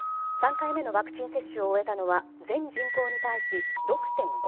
３回目のワクチン接種を終えたのは全人口に対し６．５％。